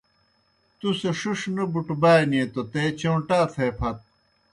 تُس ݜِݜ نہ بُٹبانیئی توْ تے چوݩٹا تھے پھت۔